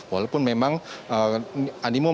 walaupun memang animo masyarakat cukup